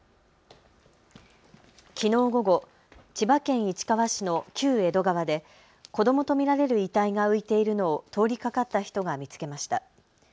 きのう午後、千葉県市川市の旧江戸川で子どもと見られる遺体が浮いているのを通りかかった人が見つけました。